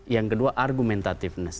yang kedua argumentativeness